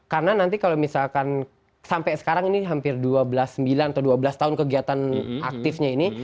karena nanti kalau misalkan sampai sekarang ini hampir dua belas tahun kegiatan aktifnya ini